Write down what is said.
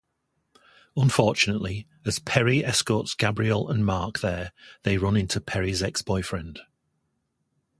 Unfortunately, as Perry escorts Gabriel and Mark there, they run into Perry's ex-boyfriend.